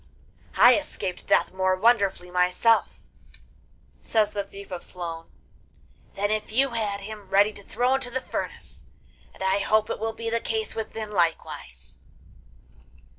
'I escaped death more wonderfully myself,' says the Thief of Sloan, 'than if you had him ready to throw into the furnace, and I hope it will be the case with him likewise.